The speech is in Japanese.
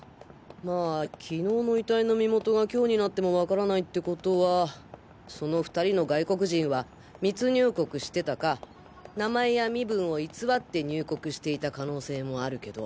まあ昨日の遺体の身元が今日になってもわからないって事はその２人の外国人は密入国してたか名前や身分を偽って入国していた可能性もあるけど。